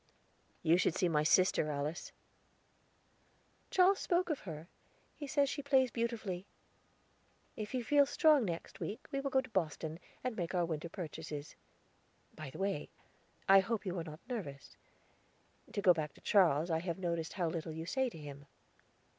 "You should see my sister, Alice." "Charles spoke of her; he says she plays beautifully. If you feel strong next week, we will go to Boston, and make our winter purchases. By the way, I hope you are not nervous. To go back to Charles, I have noticed how little you say to him.